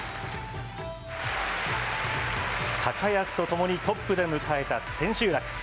高安とともにトップで迎えた千秋楽。